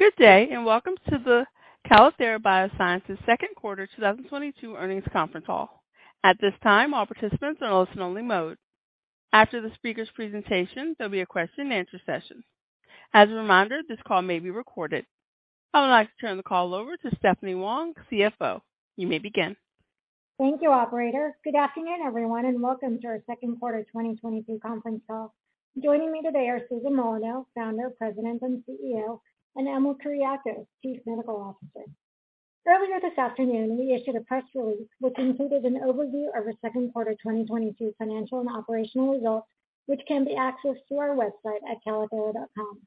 Good day, and welcome to the Calithera Biosciences second quarter 2022 earnings conference call. At this time, all participants are in listen only mode. After the speaker's presentation, there'll be a question and answer session. As a reminder, this call may be recorded. I would like to turn the call over to Stephanie Wong, CFO. You may begin. Thank you, operator. Good afternoon, everyone, and welcome to our second quarter 2022 conference call. Joining me today are Susan Molineaux, Founder, President, and CEO, and Emil Kuriakose, Chief Medical Officer. Earlier this afternoon, we issued a press release which included an overview of our second quarter 2022 financial and operational results, which can be accessed through our website at calithera.com.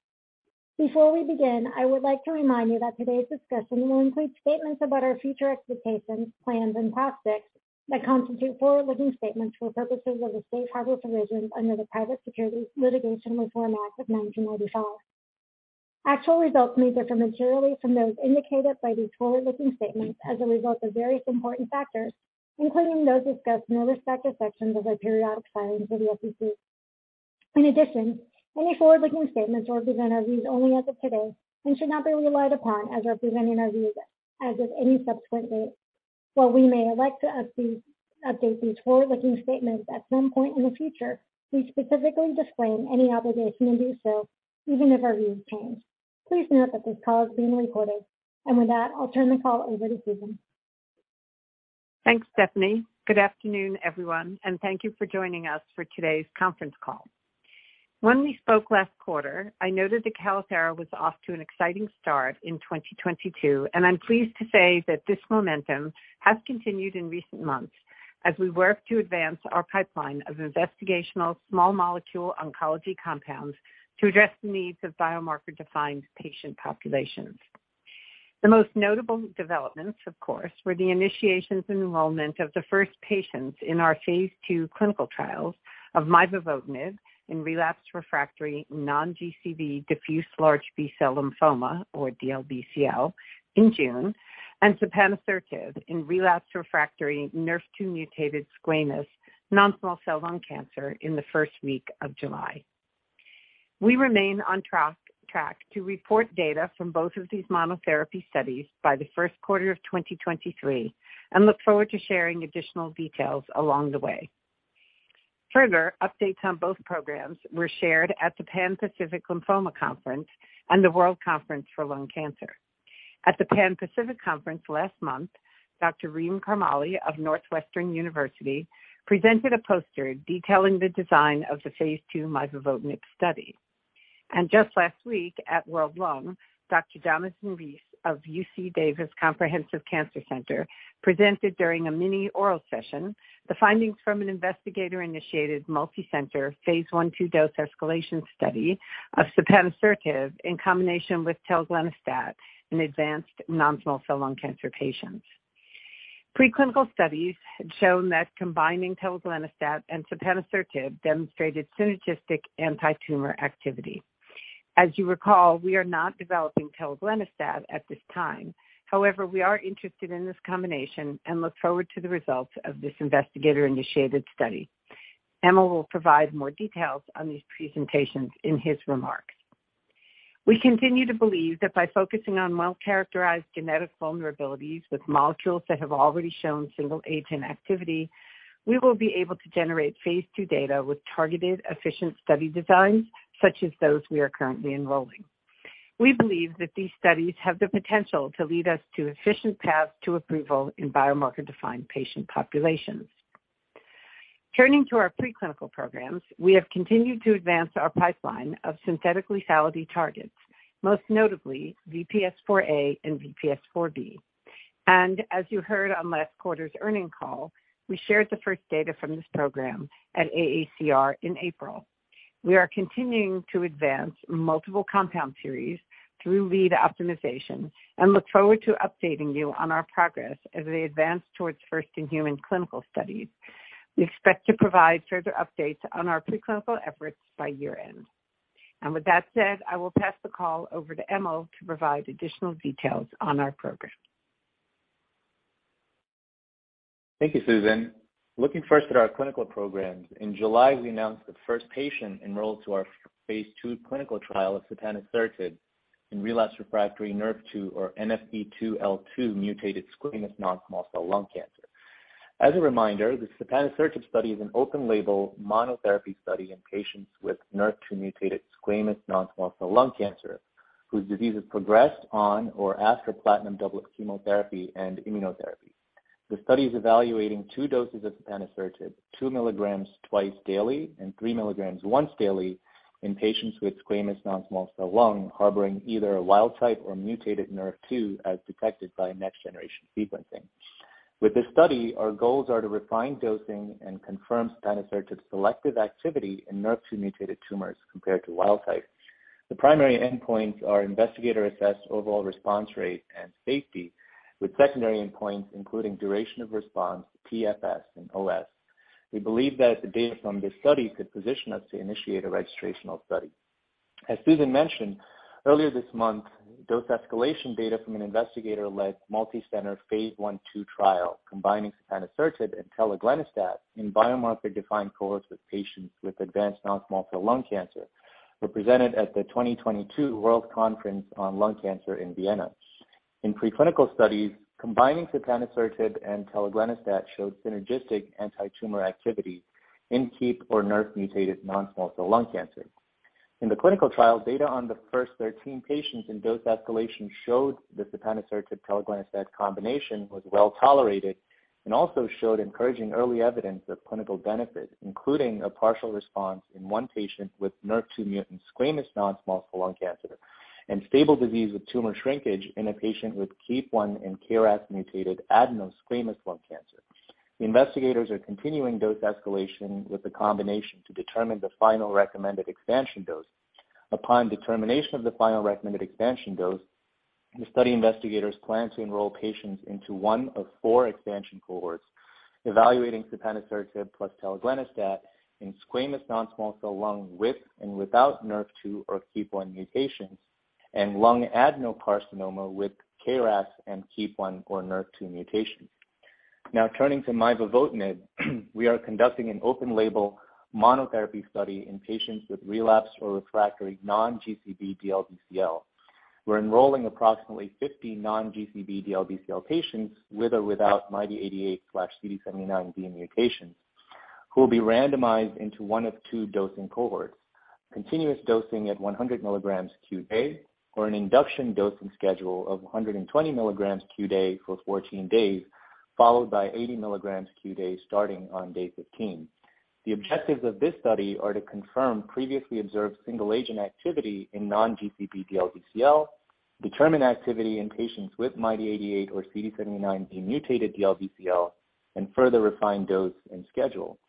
Before we begin, I would like to remind you that today's discussion will include statements about our future expectations, plans and prospects that constitute forward-looking statements for purposes of the safe harbor provisions under the Private Securities Litigation Reform Act of 1995. Actual results may differ materially from those indicated by these forward-looking statements as a result of various important factors, including those discussed in the respective sections of our periodic filings with the SEC. In addition, any forward-looking statements will represent our views only as of today and should not be relied upon as representing our views as of any subsequent date. While we may elect to update these forward-looking statements at some point in the future, we specifically disclaim any obligation to do so, even if our views change. Please note that this call is being recorded. With that, I'll turn the call over to Susan. Thanks, Stephanie. Good afternoon, everyone, and thank you for joining us for today's conference call. When we spoke last quarter, I noted that Calithera was off to an exciting start in 2022, and I'm pleased to say that this momentum has continued in recent months as we work to advance our pipeline of investigational small molecule oncology compounds to address the needs of biomarker-defined patient populations. The most notable developments, of course, were the initiations and enrollment of the first patients in our phase II clinical trials of mivavotinib in relapsed refractory non-GCB diffuse large B-cell lymphoma, or DLBCL, in June, and sapanisertib in relapsed refractory Nrf2 mutated squamous non-small cell lung cancer in the first week of July. We remain on track to report data from both of these monotherapy studies by the first quarter of 2023 and look forward to sharing additional details along the way. Further updates on both programs were shared at the Pan Pacific Lymphoma Conference and the World Conference on Lung Cancer. At the Pan Pacific conference last month, Dr. Reem Karmali of Northwestern University presented a poster detailing the design of the phase II mivavotinib study. Just last week at World Lung, Dr. Jonathan Riess of UC Davis Comprehensive Cancer Center presented during a mini oral session the findings from an investigator-initiated multicenter phase I/II dose escalation study of sapanisertib in combination with telaglenastat in advanced non-small cell lung cancer patients. Preclinical studies had shown that combining telaglenastat and sapanisertib demonstrated synergistic antitumor activity. As you recall, we are not developing telaglenastat at this time. However, we are interested in this combination and look forward to the results of this investigator-initiated study. Emil will provide more details on these presentations in his remarks. We continue to believe that by focusing on well-characterized genetic vulnerabilities with molecules that have already shown single agent activity, we will be able to generate phase II data with targeted, efficient study designs such as those we are currently enrolling. We believe that these studies have the potential to lead us to efficient paths to approval in biomarker-defined patient populations. Turning to our preclinical programs, we have continued to advance our pipeline of synthetic lethality targets, most notably VPS4A and VPS4B. As you heard on last quarter's earnings call, we shared the first data from this program at AACR in April. We are continuing to advance multiple compound series through lead optimization and look forward to updating you on our progress as they advance towards first-in-human clinical studies. We expect to provide further updates on our preclinical efforts by year-end. With that said, I will pass the call over to Emil to provide additional details on our program. Thank you, Susan. Looking first at our clinical programs, in July, we announced the first patient enrolled to our phase two clinical trial of sapanisertib in relapsed refractory Nrf2 or NFE2L2 mutated squamous non-small cell lung cancer. As a reminder, the sapanisertib study is an open label monotherapy study in patients with Nrf2 mutated squamous non-small cell lung cancer whose disease has progressed on or after platinum doublet chemotherapy and immunotherapy. The study is evaluating two doses of sapanisertib, two milligrams twice daily and three milligrams once daily in patients with squamous non-small cell lung harboring either a wild type or mutated Nrf2 as detected by next-generation sequencing. With this study, our goals are to refine dosing and confirm sapanisertib's selective activity in Nrf2 mutated tumors compared to wild type. The primary endpoints are investigator-assessed overall response rate and safety, with secondary endpoints including duration of response, PFS, and OS. We believe that the data from this study could position us to initiate a registrational study. As Susan mentioned, earlier this month, dose escalation data from an investigator-led multicenter phase I/II trial combining sapanisertib and telaglenastat in biomarker-defined cohorts with patients with advanced non-small cell lung cancer were presented at the 2022 World Conference on Lung Cancer in Vienna. In preclinical studies, combining sapanisertib and telaglenastat showed synergistic antitumor activity in KEAP or Nrf mutated non-small cell lung cancer. In the clinical trial, data on the first 13 patients in dose escalation showed the sapanisertib/telaglenastat combination was well tolerated and also showed encouraging early evidence of clinical benefit, including a partial response in one patient with Nrf2 mutant squamous non-small cell lung cancer and stable disease with tumor shrinkage in a patient with KEAP1 and KRAS mutated adenosquamous lung cancer. The investigators are continuing dose escalation with the combination to determine the final recommended expansion dose. Upon determination of the final recommended expansion dose, the study investigators plan to enroll patients into one of four expansion cohorts evaluating sapanisertib plus telaglenastat in squamous non-small cell lung with and without Nrf2 or KEAP1 mutations and lung adenocarcinoma with KRAS and KEAP1 or Nrf2 mutations. Now turning to mivavotinib, we are conducting an open label monotherapy study in patients with relapsed or refractory non-GCB DLBCL. We're enrolling approximately 50 non-GCB DLBCL patients with or without MYD88/CD79B mutations who will be randomized into one of two dosing cohorts. Continuous dosing at 100 milligrams QD or an induction dosing schedule of 120 milligrams QD for 14 days, followed by 80 milligrams QD starting on day 15. The objectives of this study are to confirm previously observed single agent activity in non-GCB DLBCL, determine activity in patients with MYD88 or CD79B mutated DLBCL, and further refine dose and schedule.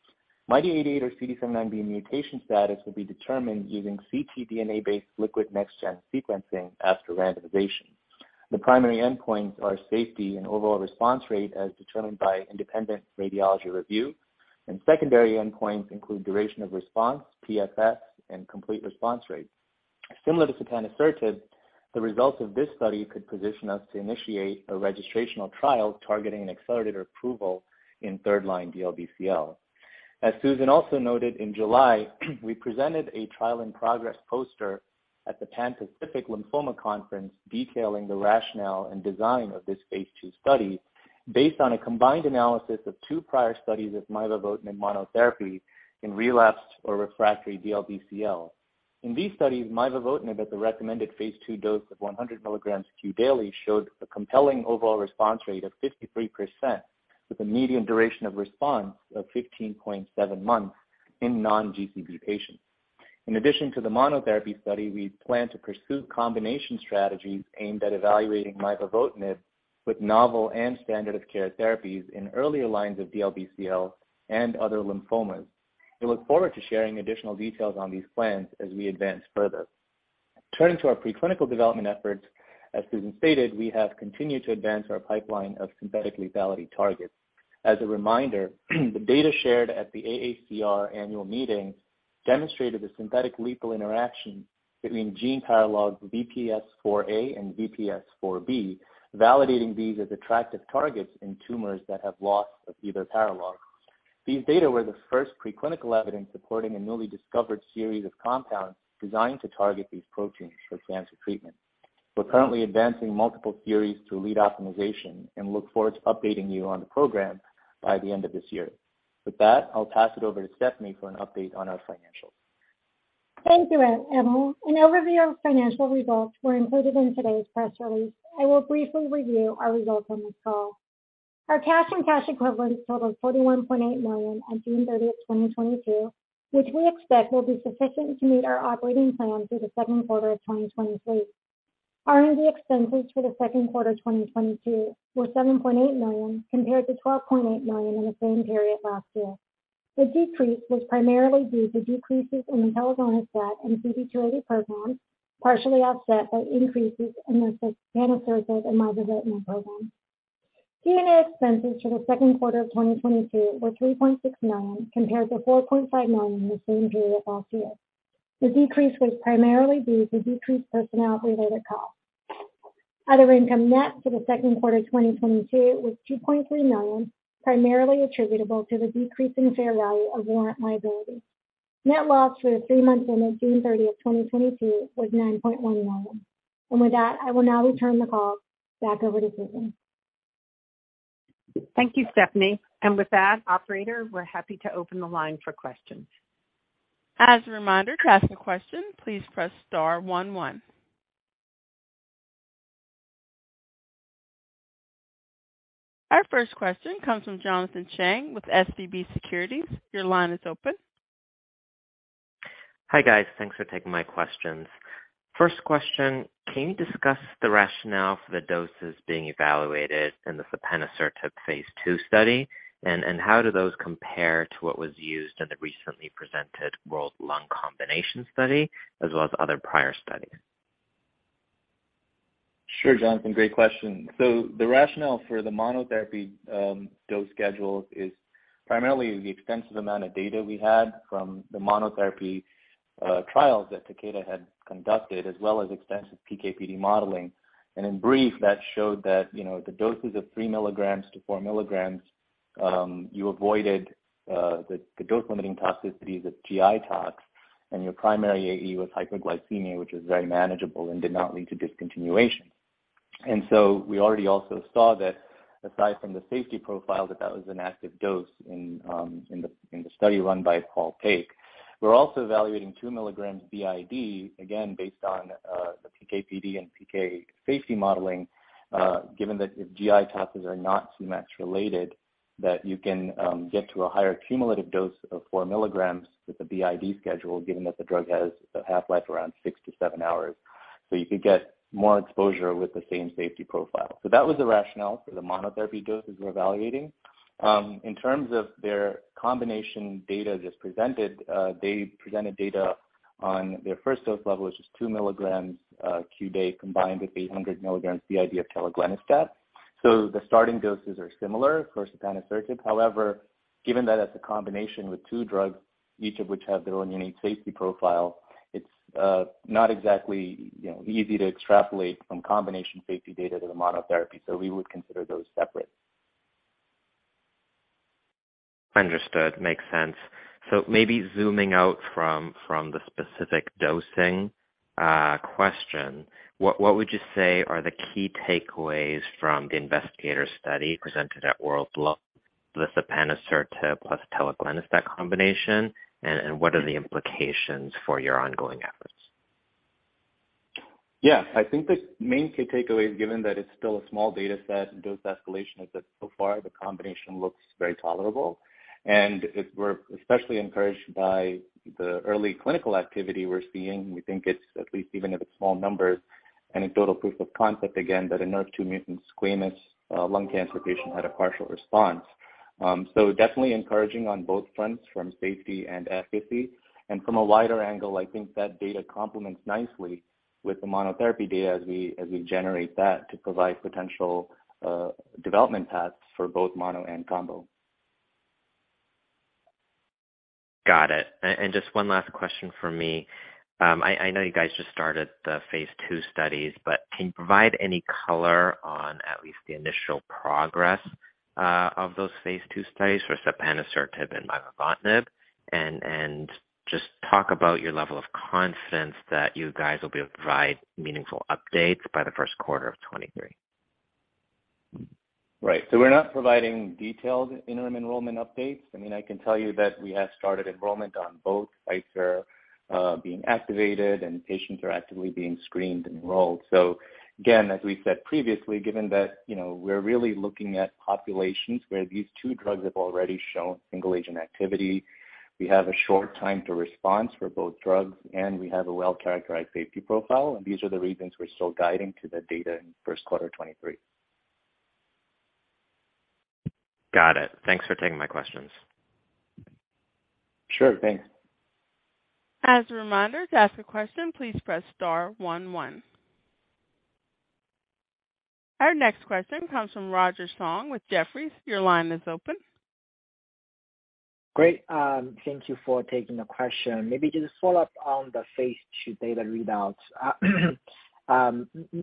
MYD88 or CD79B mutation status will be determined using ctDNA-based liquid next gen sequencing after randomization. The primary endpoints are safety and overall response rate as determined by independent radiology review, and secondary endpoints include duration of response, PFS, and complete response rate. Similar to sapanisertib, the results of this study could position us to initiate a registrational trial targeting an accelerated approval in third-line DLBCL. As Susan also noted, in July, we presented a trial in progress poster at the Pan Pacific Lymphoma Conference detailing the rationale and design of this phase II study based on a combined analysis of 2 prior studies of mivavotinib monotherapy in relapsed or refractory DLBCL. In these studies, mivavotinib at the recommended phase II dose of 100 milligrams q daily showed a compelling overall response rate of 53%, with a median duration of response of 15.7 months in non-GCB patients. In addition to the monotherapy study, we plan to pursue combination strategies aimed at evaluating mivavotinib with novel and standard of care therapies in earlier lines of DLBCL and other lymphomas. We look forward to sharing additional details on these plans as we advance further. Turning to our preclinical development efforts, as Susan stated, we have continued to advance our pipeline of synthetic lethality targets. As a reminder, the data shared at the AACR annual meeting demonstrated the synthetic lethal interaction between gene paralog VPS4A and VPS4B, validating these as attractive targets in tumors that have loss of either paralog. These data were the first preclinical evidence supporting a newly discovered series of compounds designed to target these proteins for cancer treatment. We're currently advancing multiple series to lead optimization and look forward to updating you on the program by the end of this year. With that, I'll pass it over to Stephanie for an update on our financials. Thank you, Emil. An overview of financial results were included in today's press release. I will briefly review our results on this call. Our cash and cash equivalents totaled $41.8 million at June 30, 2022, which we expect will be sufficient to meet our operating plans through the second quarter of 2023. R&D expenses for the second quarter 2022 were $7.8 million, compared to $12.8 million in the same period last year. The decrease was primarily due to decreases in the telaglenastat and CB-280 programs, partially offset by increases in the sapanisertib and mivavotinib programs. G&A expenses for the second quarter of 2022 were $3.6 million, compared to $4.5 million in the same period last year. The decrease was primarily due to decreased personnel related costs. Other income net for the second quarter 2022 was $2.3 million, primarily attributable to the decrease in fair value of warrant liability. Net loss for the three months ended June 30th, 2022 was $9.1 million. With that, I will now return the call back over to Susan. Thank you, Stephanie. With that, operator, we're happy to open the line for questions. As a reminder, to ask a question, please press star one one. Our first question comes from Jonathan Chang with SVB Securities. Your line is open. Hi, guys. Thanks for taking my questions. First question, can you discuss the rationale for the doses being evaluated in the sapanisertib phase II study? And how do those compare to what was used in the recently presented World Lung Combination Study, as well as other prior studies? Sure, Jonathan, great question. The rationale for the monotherapy dose schedule is primarily the extensive amount of data we had from the monotherapy trials that Takeda had conducted, as well as extensive PKPD modeling. In brief, that showed that, you know, the doses of 3 milligrams-4 milligrams, you avoided the dose-limiting toxicities of GI tox. And your primary AE was hyperglycemia, which is very manageable and did not lead to discontinuation. We already also saw that aside from the safety profile, that was an active dose in the study run by Paul Paik. We're also evaluating 2 milligrams BID, again, based on the PK/PD and PK safety modeling, given that if GI tox are not Cmax-related, that you can get to a higher cumulative dose of 4 milligrams with the BID schedule, given that the drug has a half-life around 6-7 hours. You could get more exposure with the same safety profile. That was the rationale for the monotherapy doses we're evaluating. In terms of their combination data just presented, they presented data on their first dose level, which is 2 milligrams q day, combined with 800 milligrams BID of telaglenastat. The starting doses are similar for sapanisertib. However, given that it's a combination with two drugs, each of which have their own unique safety profile, it's not exactly, you know, easy to extrapolate from combination safety data to the monotherapy. We would consider those separate. Understood. Makes sense. Maybe zooming out from the specific dosing question, what would you say are the key takeaways from the investigator study presented at World Lung, the sapanisertib plus telaglenastat combination, and what are the implications for your ongoing efforts? Yeah, I think the main key takeaway, given that it's still a small data set and dose escalation, is that so far the combination looks very tolerable. We're especially encouraged by the early clinical activity we're seeing. We think it's at least, even if it's small numbers, anecdotal proof of concept again, that a Nrf2 mutant squamous lung cancer patient had a partial response. Definitely encouraging on both fronts from safety and efficacy. From a wider angle, I think that data complements nicely with the monotherapy data as we generate that to provide potential development paths for both mono and combo. Got it. Just one last question from me. I know you guys just started the phase two studies, but can you provide any color on at least the initial progress of those phase two studies for sapanisertib and mivavotinib? Just talk about your level of confidence that you guys will be able to provide meaningful updates by the first quarter of 2023. Right. We're not providing detailed interim enrollment updates. I mean, I can tell you that we have started enrollment and both sites are being activated and patients are actively being screened and enrolled. Again, as we said previously, given that, you know, we're really looking at populations where these two drugs have already shown single agent activity, we have a short time to response for both drugs, and we have a well-characterized safety profile, and these are the reasons we're still guiding to the data in first quarter 2023. Got it. Thanks for taking my questions. Sure. Thanks. As a reminder, to ask a question, please press star one one. Our next question comes from Roger Song with Jefferies. Your line is open. Great. Thank you for taking the question. Maybe just a follow-up on the phase II data readouts.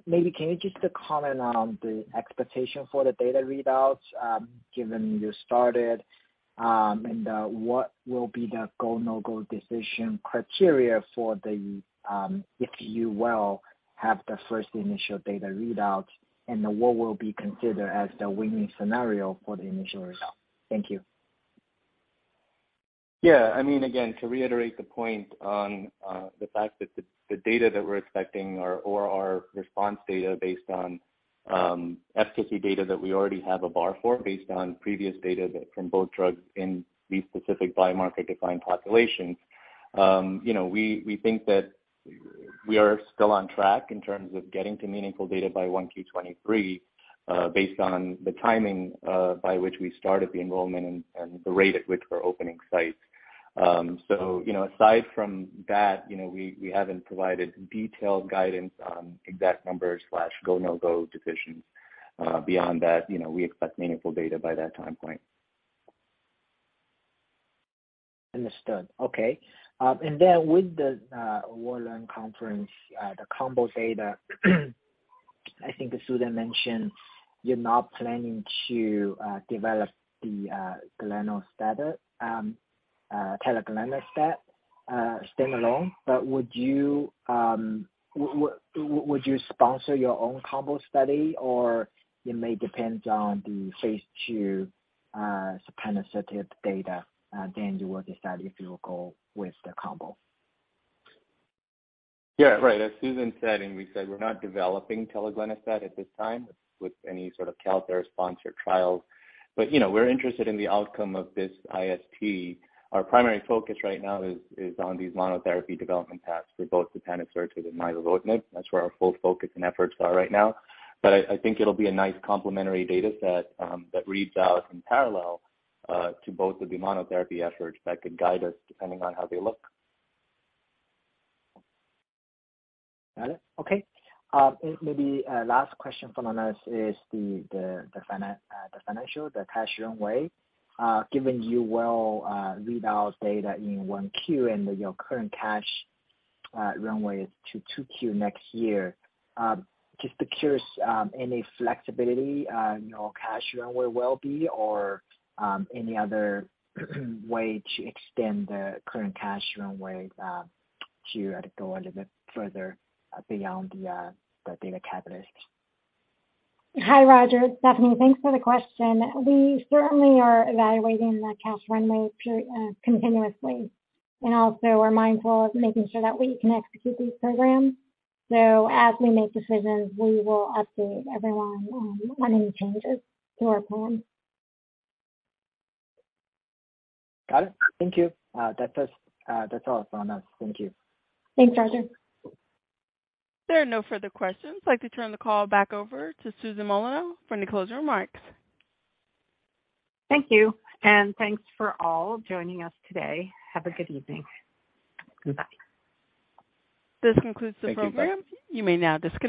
Maybe can you just comment on the expectation for the data readouts, given you started, and what will be the go, no-go decision criteria for the, if you will, have the first initial data readouts, and then what will be considered as the winning scenario for the initial readout? Thank you. Yeah. I mean, again, to reiterate the point on the fact that the data that we're expecting or our response data based on efficacy data that we already have a bar for based on previous data from both drugs in these specific biomarker-defined populations, you know, we think that we are still on track in terms of getting to meaningful data by 1Q 2023, based on the timing by which we started the enrollment and the rate at which we're opening sites. You know, aside from that, you know, we haven't provided detailed guidance on exact numbers slash go, no-go decisions. Beyond that, you know, we expect meaningful data by that time point. Understood. Okay. With the World Lung Conference, the combo data, I think Susan mentioned you're not planning to develop the telaglenastat standalone. Would you sponsor your own combo study? It may depend on the phase two sapanisertib data, then you will decide if you will go with the combo. Yeah. Right. As Susan said, and we said, we're not developing telaglenastat at this time with any sort of Calithera-sponsored trials. You know, we're interested in the outcome of this IST. Our primary focus right now is on these monotherapy development paths for both sapanisertib and mivavotinib. That's where our full focus and efforts are right now. I think it'll be a nice complementary data set that reads out in parallel to both of the monotherapy efforts that could guide us depending on how they look. Got it. Okay. Maybe last question from analyst is the financial cash runway. Given you will read out data in 1Q and your current cash runway is to 2Q next year, just curious, any flexibility your cash runway will be or any other way to extend the current cash runway to go a little bit further beyond the data catalyst? Hi, Roger. It's Stephanie Wong. Thanks for the question. We certainly are evaluating the cash runway continuously, and also we're mindful of making sure that we can execute these programs. As we make decisions, we will update everyone on any changes to our plan. Got it. Thank you. That's all from us. Thank you. Thanks, Roger. There are no further questions. I'd like to turn the call back over to Susan Molineaux for any closing remarks. Thank you, and thanks for all joining us today. Have a good evening. Goodbye. This concludes the program. You may now disconnect.